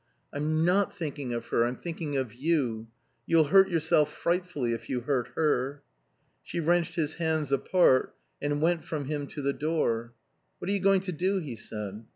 "I'm not thinking of her. I'm thinking of you. You'll hurt yourself frightfully if you hurt her." She wrenched his hands apart and went from him to the door. "What are you going to do?" he said.